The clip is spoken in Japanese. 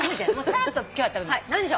さーっと今日は食べます。